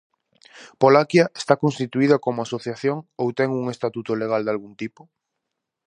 Polaqia está constituída como asociación ou ten un estatuto legal dalgún tipo?